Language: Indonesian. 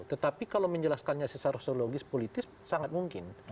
tetapi kalau menjelaskannya secara sisiologis politik sangat mungkin